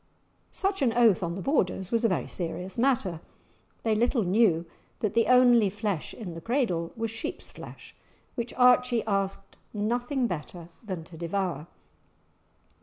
Such an oath on the Borders was a very serious matter; they little knew that the only flesh in the cradle was sheep's flesh, which Archie asked nothing better than to devour!